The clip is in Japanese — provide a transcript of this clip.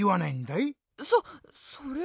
そそれは。